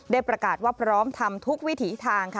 ประกาศว่าพร้อมทำทุกวิถีทางค่ะ